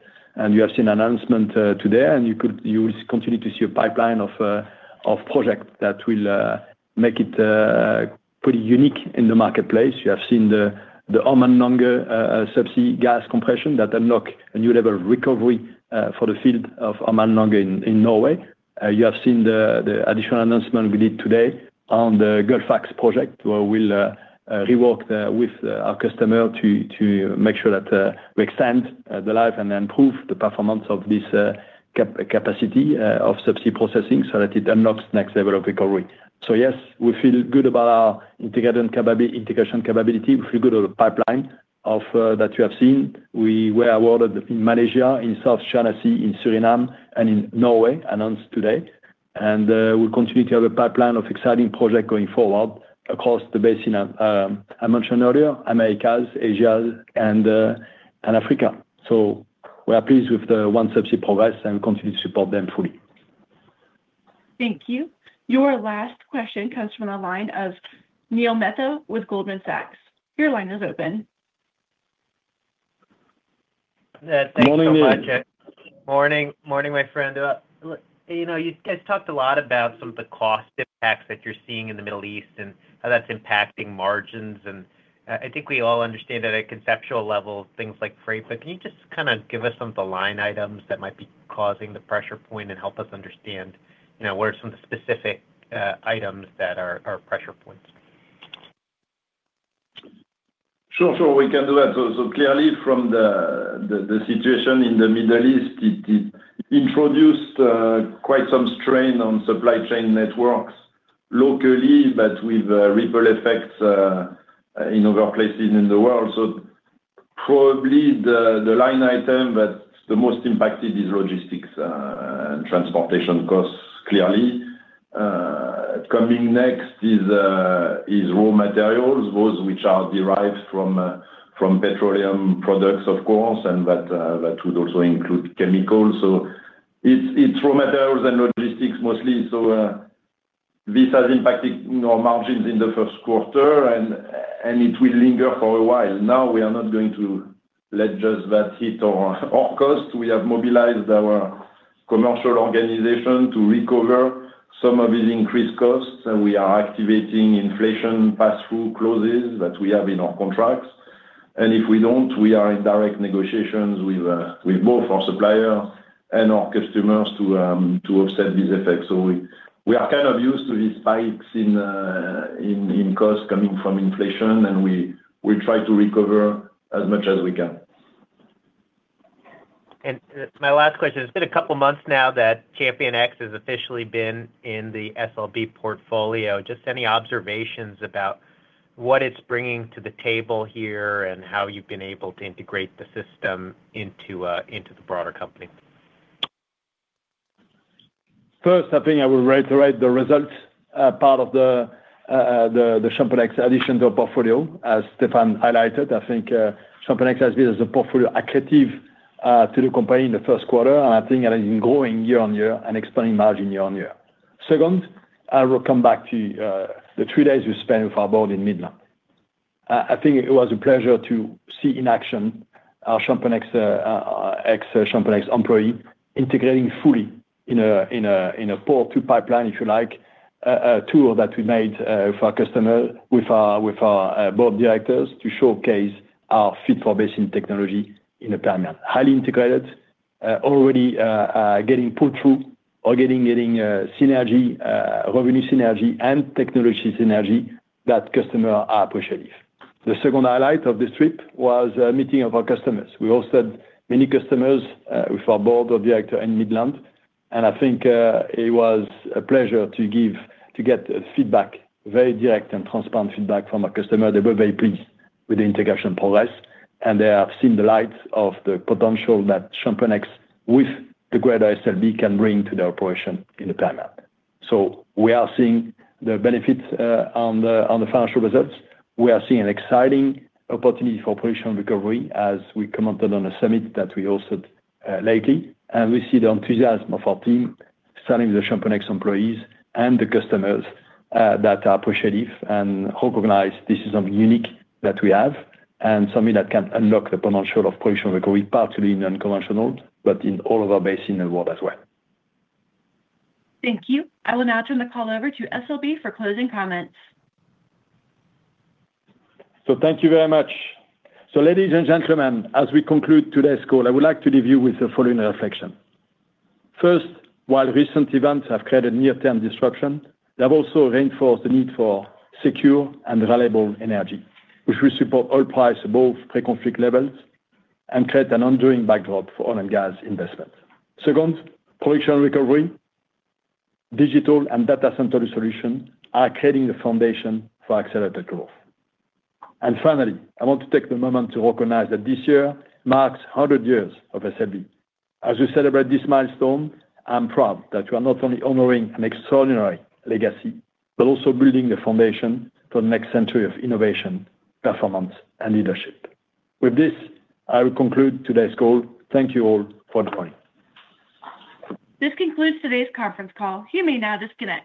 You have seen announcement today, and you will continue to see a pipeline of projects that will make it pretty unique in the marketplace. You have seen the Ormen Lange subsea gas compression that unlock a new level of recovery for the field of Ormen Lange in Norway. You have seen the additional announcement we did today on the Gullfaks project, where we'll rework with our customer to make sure that we extend the life and improve the performance of this capacity of subsea processing so that it unlocks next level of recovery. Yes, we feel good about our integration capability. We feel good on the pipeline that you have seen. We were awarded in Malaysia, in South China Sea, in Suriname, and in Norway, announced today. We'll continue to have a pipeline of exciting project going forward across the basin. I mentioned earlier, Americas, Asia, and Africa. We are pleased with the OneSubsea progress and continue to support them fully. Thank you. Your last question comes from the line of Neil Mehta with Goldman Sachs. Your line is open. Morning, Neil. Morning, my friend. You guys talked a lot about some of the cost impacts that you're seeing in the Middle East and how that's impacting margins, and I think we all understand at a conceptual level, things like freight, but can you just kind of give us some of the line items that might be causing the pressure point and help us understand what are some of the specific items that are pressure points? Sure. We can do that. Clearly from the situation in the Middle East, it introduced quite some strain on supply chain networks locally, but with ripple effects in other places in the world. Probably the line item that's the most impacted is logistics and transportation costs, clearly. Coming next is raw materials, those which are derived from petroleum products, of course, and that would also include chemicals. It's raw materials and logistics mostly. This has impacted our margins in the first quarter and it will linger for a while. Now, we are not going to let just that hit our costs. We have mobilized our commercial organization to recover some of these increased costs, and we are activating inflation pass-through clauses that we have in our contracts. If we don't, we are in direct negotiations with both our suppliers and our customers to offset these effects. We are kind of used to these spikes in costs coming from inflation, and we try to recover as much as we can. My last question. It's been a couple of months now that ChampionX has officially been in the SLB portfolio. Just any observations about what it's bringing to the table here and how you've been able to integrate the system into the broader company. First, I think I will reiterate the results part of the ChampionX addition to our portfolio, as Stephane highlighted. I think ChampionX has been accretive to the portfolio in the first quarter, and I think that is growing year-over-year and expanding margin year-over-year. Second, I will come back to the three days we spent with our board in Midland. I think it was a pleasure to see in action our ex-ChampionX employees integrating fully in a pull-through pipeline, if you like, a tool that we made for our customers with our board of directors to showcase our fit-for-basin technology in real time. Highly integrated, already getting pull-through or getting synergy, revenue synergy and technology synergy that customers are appreciative. The second highlight of this trip was a meeting of our customers. We hosted many customers with our board of directors in Midland, and I think it was a pleasure to get feedback, very direct and transparent feedback from our customers. They were very pleased with the integration progress, and they have seen the light of the potential that ChampionX with the greater SLB can bring to the operations in the timeline. We are seeing the benefits in the financial results. We are seeing an exciting opportunity for operational recovery as we commented at a summit that we hosted lately. We see the enthusiasm of our team, starting with the ChampionX employees and the customers that are appreciative and recognize this is something unique that we have and something that can unlock the potential of operational recovery, partly in unconventional, but in all of our basins in the world as well. Thank you. I will now turn the call over to SLB for closing comments. Thank you very much. Ladies and gentlemen, as we conclude today's call, I would like to leave you with the following reflection. First, while recent events have created near-term disruption, they have also reinforced the need for secure and reliable energy, which will support oil price above pre-conflict levels and create an enduring backdrop for oil and gas investment. Second, production recovery, Digital and data center solution are creating the foundation for accelerated growth. Finally, I want to take the moment to recognize that this year marks 100 years of SLB. As we celebrate this milestone, I'm proud that we are not only honoring an extraordinary legacy, but also building the foundation for the next century of innovation, performance and leadership. With this, I will conclude today's call. Thank you all for joining. This concludes today's conference call. You may now disconnect